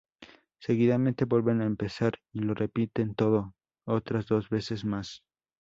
Seguidamente vuelven a empezar y lo repiten todo, otras dos veces más.